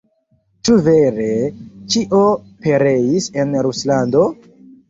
Ĉu vere, ĉio pereis en Ruslando?